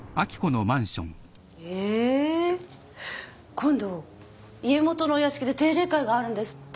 今度家元のお屋敷で定例会があるんですって。